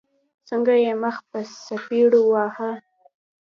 څنګه يې مخ په څپېړو واهه.